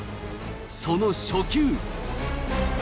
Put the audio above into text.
その初球。